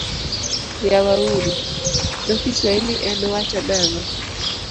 Yawa uru dho Kiswahili en wacho nang'o?